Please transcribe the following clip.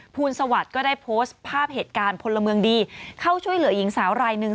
ลสวัสดิ์ก็ได้โพสต์ภาพเหตุการณ์พลเมืองดีเข้าช่วยเหลือหญิงสาวรายหนึ่ง